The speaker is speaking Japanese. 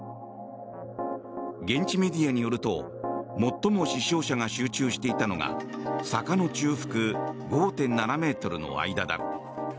現地メディアによると最も死傷者が集中していたのが坂の中腹、５．７ｍの間だ。